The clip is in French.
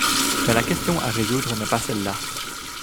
Mais la question à résoudre n’est pas celle-là.